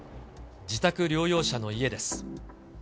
自宅療養者の家です。